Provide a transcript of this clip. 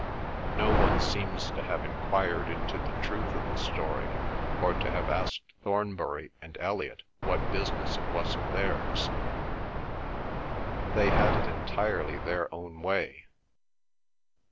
No one seems to have enquired into the truth of the story, or to have asked Thornbury and Elliot what business it was of theirs; they had it entirely their own way.